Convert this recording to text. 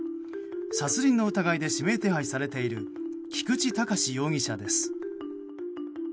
殺人の疑いで指名手配されている菊池隆容疑者です。